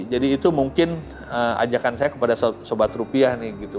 jadi itu mungkin ajakan saya kepada sobat rupiah nih